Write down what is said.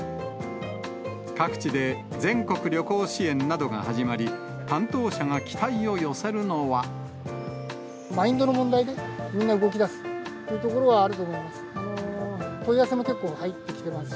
各地で全国旅行支援などが始まり、マインドの問題で、みんな動きだすというところはあると思います。